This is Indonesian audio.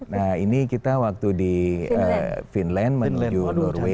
nah ini kita waktu di finland menuju norway